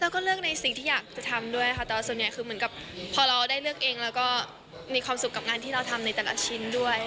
แล้วก็เลือกในสิ่งที่อยากจะทำด้วยค่ะแต่ว่าส่วนใหญ่คือเหมือนกับพอเราได้เลือกเองแล้วก็มีความสุขกับงานที่เราทำในแต่ละชิ้นด้วย